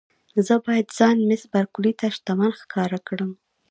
زه باید ځان مېس بارکلي ته شتمن ښکاره کړم.